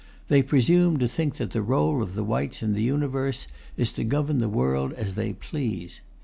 They presume to think that the rôle of the whites in the universe is to govern the world as they please.